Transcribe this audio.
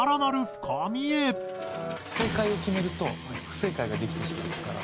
正解を決めると不正解ができてしまうから。